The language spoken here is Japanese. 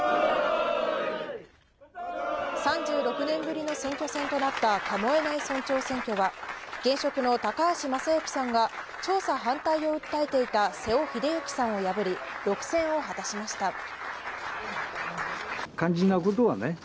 ３６年ぶりの選挙戦となった神恵内村長選挙は現職の高橋昌幸さんが調査反対を訴えていた瀬尾英幸さんを破り６選を果たしました。